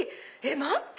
待って！